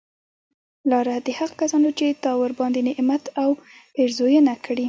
لاره د هغه کسانو چې تا ورباندي نعمت او پیرزونه کړي